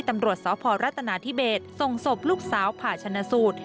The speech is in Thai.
ตำรวจสพรัฐนาธิเบสส่งศพลูกสาวผ่าชนะสูตร